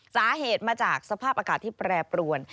สาเหตุมาจากสภาพอากาศที่แปรปรวน